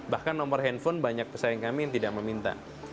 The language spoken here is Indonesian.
bahkan nomor handphone banyak pesaing kami yang tidak meminta